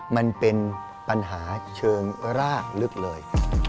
มันเป็นปัญหาเชิงรากลึกเลย